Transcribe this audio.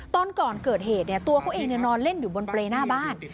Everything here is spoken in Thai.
ตอนก่อนเกิดเหตุตัวเขาเองนอนเล่นอยู่บนเปรย์หน้าบ้าน